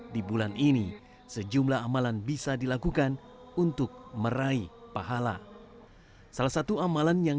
di bulan ini sejumlah amalan bisa dilakukan untuk meraih pahala salah satu amalan yang